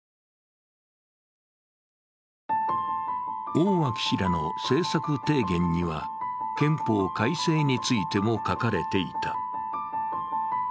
大脇氏らの政策提言には憲法改正についても書かれていた。